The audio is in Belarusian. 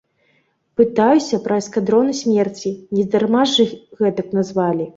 Пытаюся пра эскадроны смерці, нездарма ж іх гэтак назвалі?